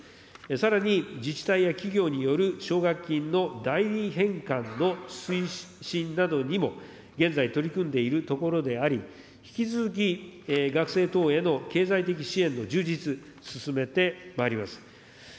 さらに自治体や企業による奨学金の代理返還の推進などにも現在、取り組んでいるところであり、引き続き、学生等への経済的支援の充実、進めてまいります。